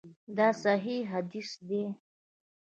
دا صحیح حدیث دی.